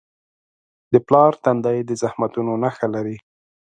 د پلار تندی د زحمتونو نښه لري.